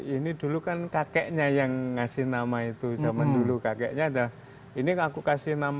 ini dulu kan kakeknya yang ngasih nama itu zaman dulu kakeknya ada